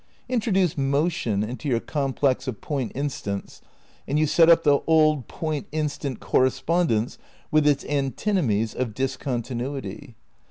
Introduce motion into your complex of point instants, and you set up the old point instant corre spondence with its antinomies of discontinuity.